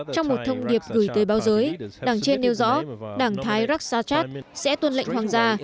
trong một thông điệp gửi tới báo giới đảng trên nêu rõ đảng thái raksat sẽ tuân lệnh hoàng gia